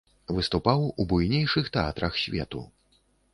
Выступаў у буйнейшых тэатрах свету.